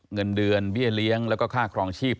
เงินเดือนเบี้ยเลี้ยงแล้วก็ค่าครองชีพ